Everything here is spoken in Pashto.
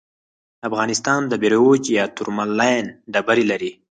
افغانستان د بیروج یا تورمالین ډبرې لري.